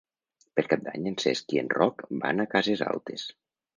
Per Cap d'Any en Cesc i en Roc van a Cases Altes.